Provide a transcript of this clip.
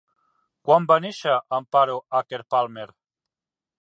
Quan va néixer Amparo Acker-Palmer?